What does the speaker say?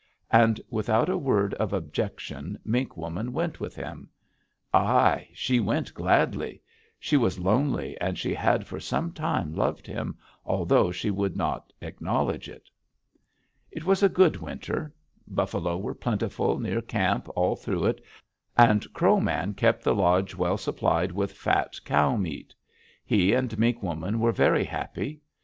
"And without a word of objection Mink Woman went with him. Ai! She went gladly! She was lonely, and she had for some time loved him, although she would not acknowledge it. "It was a good winter. Buffalo were plentiful near camp all through it, and Crow Man kept the lodge well supplied with fat cow meat. He and Mink Woman were very happy.